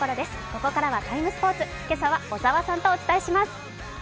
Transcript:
ここからは「ＴＩＭＥ，スポーツ」、今朝は小沢さんとお伝えします。